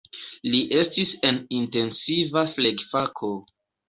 Li estis en intensiva flegfako.